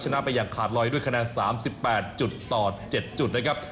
ไปอย่างขาดลอยด้วยคะแนน๓๘ต่อ๗จุดนะครับ